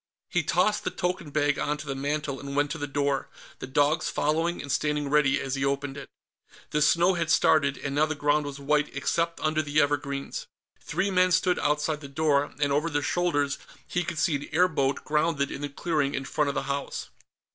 He tossed the token bag onto the mantel and went to the door, the dogs following and standing ready as he opened it. The snow had started, and now the ground was white except under the evergreens. Three men stood outside the door, and over their shoulders he could see an airboat grounded in the clearing in front of the house.